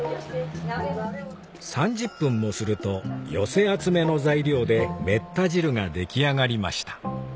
３０分もすると寄せ集めの材料でめった汁が出来上がりました